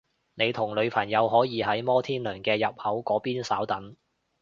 你同女朋友可以喺摩天輪嘅入口嗰邊稍等